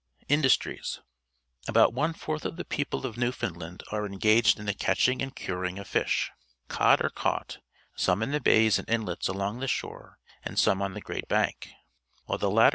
Industries. — About one fourth of the people of Newfoundland are engaged in the catch ing and curing of fish. .Cod. are caught, some in the bays and inlets along the shore and some on the Grand Bank. "Wliile the latter